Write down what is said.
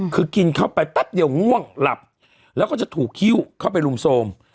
คือกินเข้าไปแป๊บเดียวง่วงหลับแล้วก็จะถูกฮิ้วเข้าไปรุมโทรม